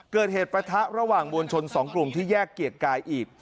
เกิดเหตุปะทะระหว่างมวลชน๒กลุ่มที่แยกเกียรติกายอีก